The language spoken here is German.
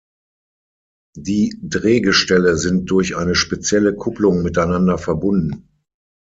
Die Drehgestelle sind durch eine spezielle Kupplung miteinander verbunden.